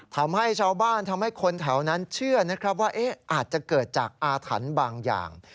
ทำให้ชาวบ้านทำให้คนแถวนั้นเชื่อนะครับว่าอาจจะเกิดจากอาถรรพ์บางอย่าง